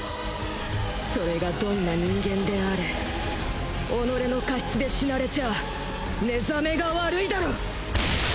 それがどんな人間であれ己の過失で死なれちゃ寝覚めが悪いだろ？